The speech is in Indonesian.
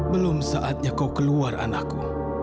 belum saatnya kau keluar anakku